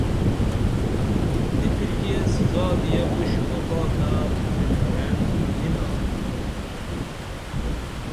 بِپھرکی ایس زادی یہ پُش وفا تہ بڇھرئین یینا